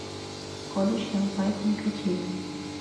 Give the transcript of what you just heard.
Кодыч Ялпай ден Качий.